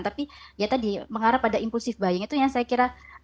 tapi ya tadi mengarah pada impulsif buying itu yang saya kira berbahaya juga begitu